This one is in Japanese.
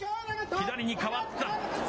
左に変わった。